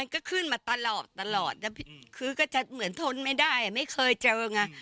ก็คืนมาตลอดตลอดคือใช่เหมือนทนไม่ได้ไม่เคยเจอกัยนะ